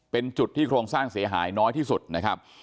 เป็นจุดที่โครงสร้างเสียหายน้อยที่สุดนะครับ